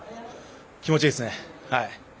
気持ちいいですね。